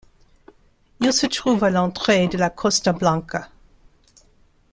Il se trouve à l'entrée de la Costa Blanca.